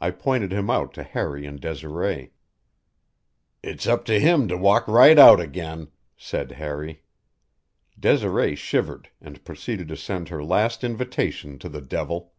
I pointed him out to Harry and Desiree. "It's up to him to walk right out again," said Harry. Desiree shivered, and proceeded to send her last invitation to the devil.